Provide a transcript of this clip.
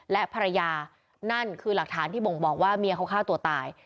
และภรรยานั่นคือหลักฐานที่บ่งบอกว่าเมียเขาฆ่าตัวตาย